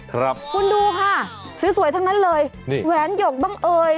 ครับคุณดูค่ะสวยสวยทั้งนั้นเลยนี่แหวนหยกบ้างเอ่ย